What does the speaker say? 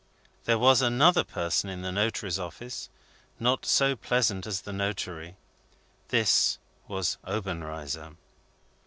There was another person in the notary's office, not so pleasant as the notary. This was Obenreizer.